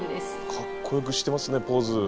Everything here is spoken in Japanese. かっこよくしてますねポーズ。